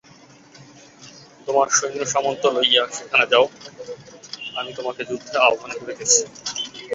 তোমার সৈন্যসামন্ত লইয়া সেখানে যাও, আমি তোমাকে যুদ্ধে আহ্বান করিতেছি।